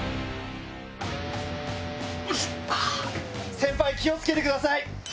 先輩気を付けてください！